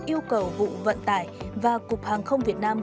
yêu cầu vụ vận tải và cục hàng không việt nam